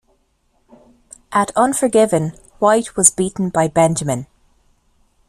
At Unforgiven, White was beaten by Benjamin.